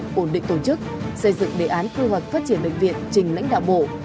các cán bộ ổn định tổ chức xây dựng đề án khu hoạt phát triển bệnh viện trình lãnh đạo bộ